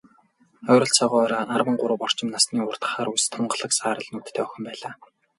Ойролцоогоор арван гурав орчим насны, урт хар үс, тунгалаг саарал нүдтэй охин байлаа.